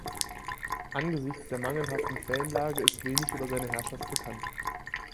Angesichts der mangelhaften Quellenlage ist wenig über seine Herrschaft bekannt.